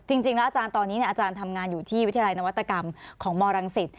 จริงแล้วอาจารย์ตอนนี้อาจารย์ทำงานอยู่ที่วิทยาลัยนวัตกรรมของมรังสิต